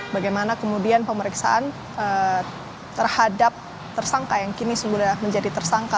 bagaimana kemudian pemeriksaan terhadap tersangka yang kini sudah menjadi tersangka